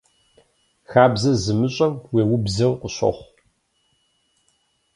Хабзэ зымыщӏэм уеубзэу къыщохъу.